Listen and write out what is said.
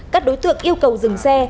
các đối tượng yêu cầu dừng xe